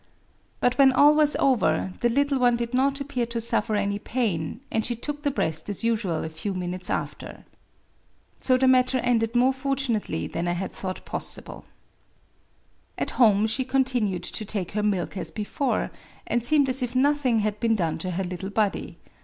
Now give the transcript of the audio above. But [when all was over] the little one did not appear to suffer any pain 'f and she took the breast as usual a few minutes after. So the matter ended more fortunately than I had thought possible. At home she continued to take her milk as before, and seemed as if nothing had been done to her little body.